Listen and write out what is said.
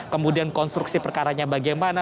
kemudian konstruksi perkaranya bagaimana